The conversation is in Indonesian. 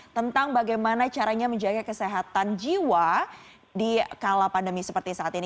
tentang bagaimana caranya menjaga kesehatan jiwa di kala pandemi seperti saat ini